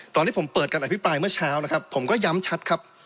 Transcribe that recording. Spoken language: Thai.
ตอนที่ผมเปิดการอภิปรายเมื่อเช้านะครับผมก็ย้ำชัดครับ